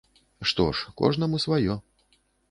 Што ж, кожнаму сваё.